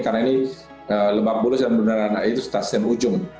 karena ini lebak bulus dan bundaran hi itu stasiun ujung